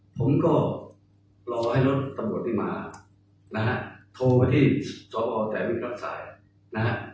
ผมก็รอให้รถตำรวจไม่มานะฮะโทรไปที่สพแต่ไม่รักษานะฮะ